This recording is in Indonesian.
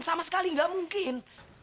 sama sekali ga mungkin